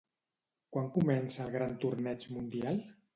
Quan comença el gran torneig mundial?